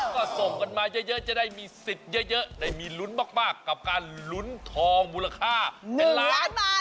ก็ส่งกันมาเยอะจะได้มีสิทธิ์เยอะได้มีลุ้นมากกับการลุ้นทองมูลค่าเป็นล้านบาท